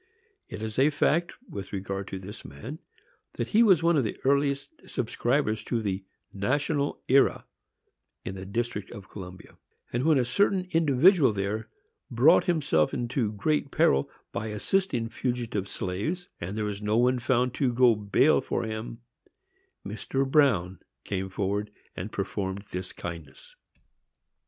It is a fact, with regard to this man, that he was one of the earliest subscribers to the National Era, in the District of Columbia; and, when a certain individual there brought himself into great peril by assisting fugitive slaves, and there was no one found to go bail for him, Mr. Bruin came forward and performed this kindness.